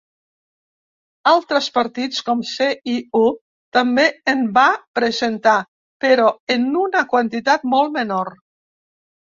Altres partits, com CiU, també en va presentar, però en una quantitat molt menor.